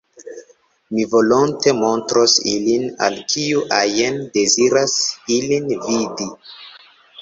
Mi volonte montros ilin al kiu ajn deziras ilin vidi.